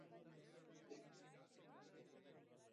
Joseba Beloki izan zen hirugarren.